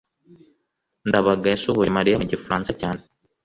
ndabaga yasuhuje mariya mu gifaransa cyane